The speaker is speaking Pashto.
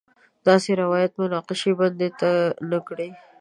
داسې روایت مناقشې بنده نه کړي.